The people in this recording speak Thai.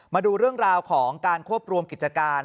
มาดูเรื่องราวของการควบรวมกิจการ